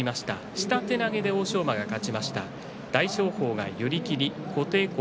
下手投げで欧勝馬が勝ちました。